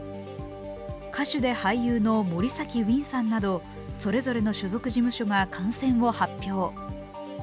歌手で俳優の森崎ウィンさんなどそれぞれの所属事務所が感染を発表。